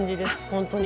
本当に。